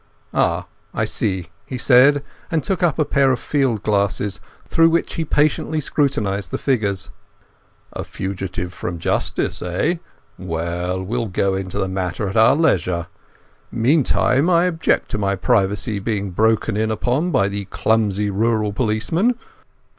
"Ah, I see," he said, and took up a pair of field glasses through which he patiently scrutinized the figures. "A fugitive from justice, eh? Well, we'll go into the matter at our leisure. Meantime I object to my privacy being broken in upon by the clumsy rural policeman.